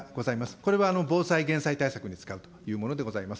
これは防災・減災対策に使うというものでございます。